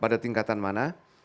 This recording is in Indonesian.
pada tingkatan mana